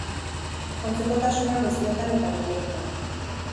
Antzekotasuna mezuetan eta moduetan.